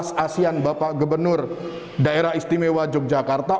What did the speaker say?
dari kepala siasian bapak gubernur daerah istimewa yogyakarta